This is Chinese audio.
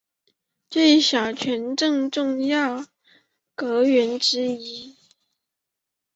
是小泉政权重要的阁员之一。